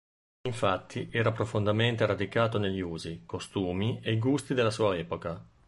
Infatti era profondamente radicato negli usi, costumi e gusti della sua epoca.